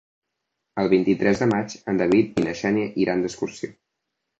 El vint-i-tres de maig en David i na Xènia iran d'excursió.